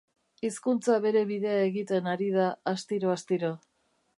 Hizkuntza bere bidea egiten ari da astiro-astiro.